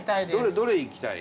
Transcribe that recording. どれいきたい？